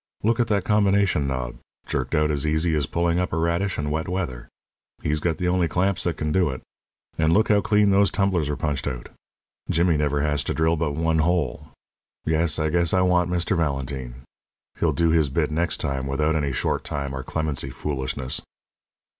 Look at that combination knob jerked out as easy as pulling up a radish in wet weather. He's got the only clamps that can do it. And look how clean those tumblers were punched out! Jimmy never has to drill but one hole. Yes, I guess I want Mr. Valentine. He'll do his bit next time without any short time or clemency foolishness."